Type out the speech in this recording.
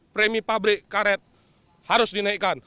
premi pabrik karet harus dinaikkan